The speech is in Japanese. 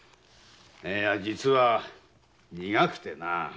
いや実は苦くてな。